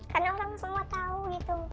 kadang orang semua tahu gitu